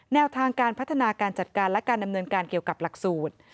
แนวทางการพัฒนาการจัดการและการดำเนินการเกี่ยวกับหลักสูตร